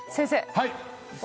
はい。